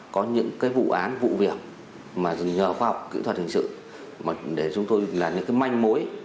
có những cái vụ án vụ việc mà nhờ khoa học kỹ thuật hình sự để chúng tôi là những cái manh mối